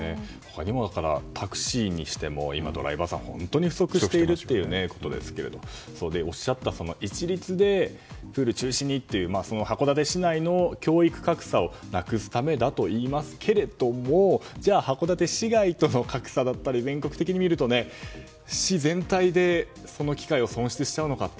タクシーにしても今、ドライバーさんが本当に不足しているんですがおっしゃったような、一律でプール中止にという函館市内の教育格差をなくすためだといいますがじゃあ函館市外との格差だったり全国的に見ると、市全体でその機会を損失してしまうのかと。